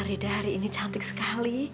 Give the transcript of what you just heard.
rida hari ini cantik sekali